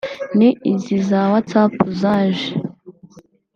ni izi za whatsapp zaje